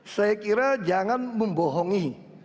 saya kira jangan membohongi